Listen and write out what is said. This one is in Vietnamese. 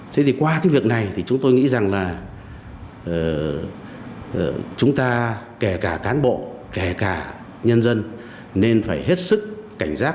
thế thì qua cái việc này thì chúng tôi nghĩ rằng là chúng ta kể cả cán bộ kể cả nhân dân nên phải hết sức cảnh giác